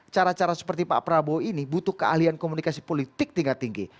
cara cara seperti pak prabowo ini butuh keahlian komunikasi politik tingkat tinggi